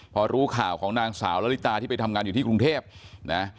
พอรู้ข่าวของนางสาวละลิตาที่ไปทำงานอยู่ที่กรุงเทพนะ